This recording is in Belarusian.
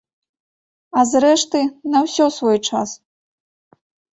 А зрэшты, на ўсё свой час.